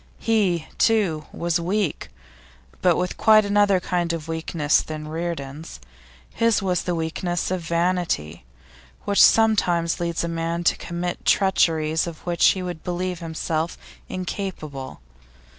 He, too, was weak, but with quite another kind of weakness than Reardon's. His was the weakness of vanity, which sometimes leads a man to commit treacheries of which he would believe himself incapable.